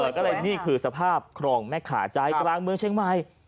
ก็เลยนี่คือสภาพครองแม่ขาใจกลางเมืองเชียงใหม่